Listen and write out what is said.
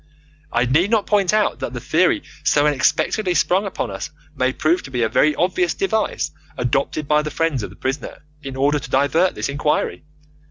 I need not point out that the theory so unexpectedly sprung upon us may prove to be a very obvious device adopted by the friends of the prisoner in order to divert this inquiry.